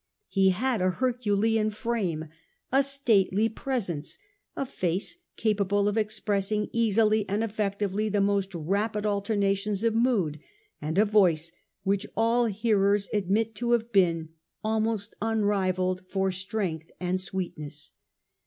He had a herculean frame, a stately presence, a face capable of expressing easily and effectively the most rapid alternations of mood, and a voice which all hearers admit to have been almost unrivalled for strength and sweetness.